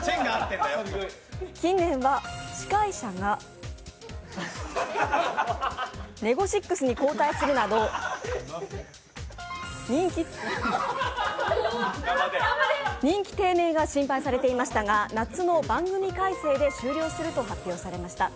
近年は司会者がネゴシックスに交代するなど人気低迷が心配されていましたが、夏の番組改正で終了すると発表されました。